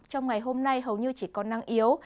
trong ngày hôm nay hầu như chỉ có nắng yếu